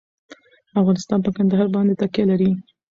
افغانستان په کندهار باندې تکیه لري.